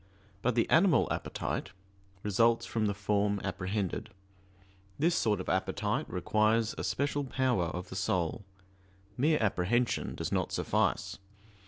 But the "animal appetite" results from the form apprehended; this sort of appetite requires a special power of the soul mere apprehension does not suffice.